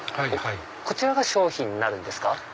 こちらが商品になるんですか？